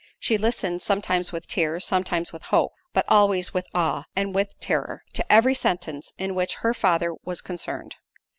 She listened sometimes with tears, sometimes with hope, but always with awe, and with terror, to every sentence in which her father was concerned.